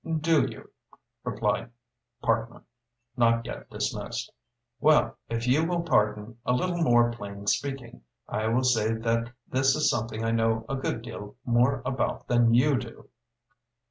"Do you?" replied Parkman, not yet dismissed. "Well, if you will pardon a little more plain speaking, I will say that this is something I know a good deal more about than you do."